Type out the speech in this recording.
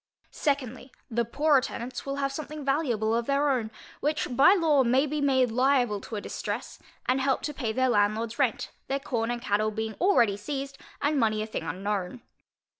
Secondly, The poorer tenants will have something valuable of their own, which by law may be made liable to a distress, and help to pay their landlordŌĆÖs rent, their corn and cattle being already seized, and money a thing unknown.